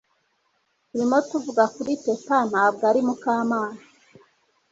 Turimo tuvuga kuri Teta ntabwo ari Mukamana